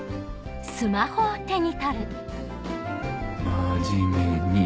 「真面目に」。